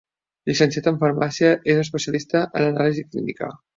Llicenciat en farmàcia, és especialista en anàlisi clínica.